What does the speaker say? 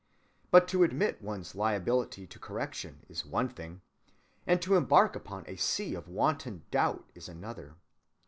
But to admit one's liability to correction is one thing, and to embark upon a sea of wanton doubt is another.